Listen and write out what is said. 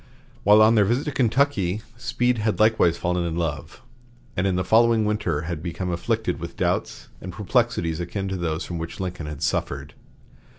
While on their visit to Kentucky, Speed had likewise fallen in love, and in the following winter had become afflicted with doubts and perplexities akin to those from which Lincoln had suffered.